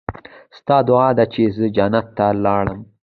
ستا دعا ده چې زه جنت ته لاړم.